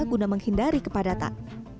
guna menghindari kepadatan